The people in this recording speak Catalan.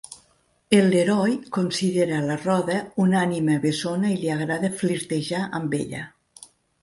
El Leroy considera la Rhoda una ànima bessona i li agrada flirtejar amb ella.